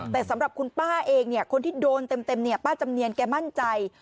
แต่สำหรับคุณป้าเองเนี่ยคนที่โดนเต็มป้าจำเนียนแกมั่นใจ